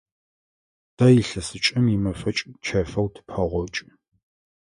Тэ илъэсыкӏэм имэфэкӏ чэфэу тыпэгъокӏы.